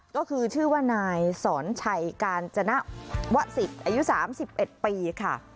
ก็คือชื่อว่านายสอนชัยกาญจนวะสิทธิ์อายุ๓๑ปีค่ะ